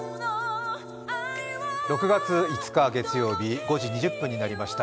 ６月５日月曜日、５時２０分になりました。